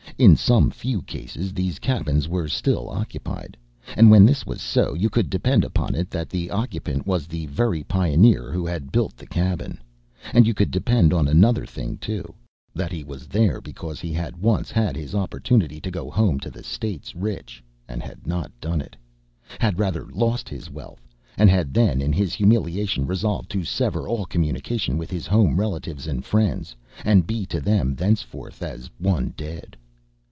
In some few cases these cabins were still occupied; and when this was so, you could depend upon it that the occupant was the very pioneer who had built the cabin; and you could depend on another thing, too that he was there because he had once had his opportunity to go home to the States rich, and had not done it; had rather lost his wealth, and had then in his humiliation resolved to sever all communication with his home relatives and friends, and be to them thenceforth as one dead.